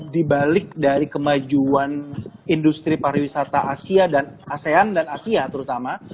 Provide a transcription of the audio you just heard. dibalik dari kemajuan industri pariwisata asia asean dan asia terutama